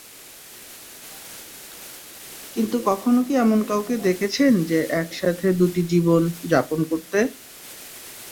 কিন্তু কখনো কি এমন কাউকে দেখেছেন যে একসাথে দুটি জীবন, যাপন করতে?